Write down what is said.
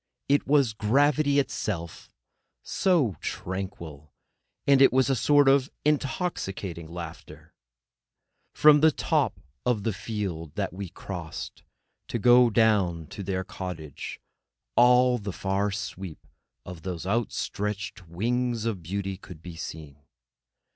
It was gravity itself, so tranquil; and it was a sort of intoxicating laughter. From the top field that we crossed to go down to their cottage, all the far sweep of those outstretched wings of beauty could be seen.